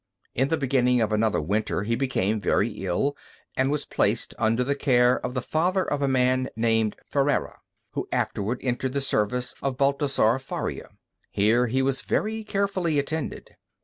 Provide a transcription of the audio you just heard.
In the beginning of another winter he became very ill, and was placed under the care of the father of a man named Ferrera, who afterward entered the service of Balthasar Faria. Here he was very carefully attended.